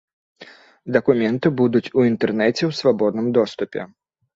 Дакументы будуць у інтэрнэце ў свабодным доступе.